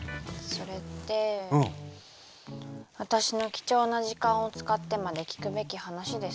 それって私の貴重な時間を使ってまで聞くべき話ですか？